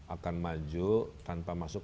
akan maju tanpa masuk